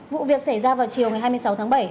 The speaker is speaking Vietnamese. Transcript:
vụ việc xảy ra vào chiều ngày hai mươi sáu tháng bảy